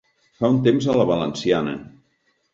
Fa un temps a la valenciana.